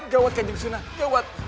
gawat kanjeng senan gawat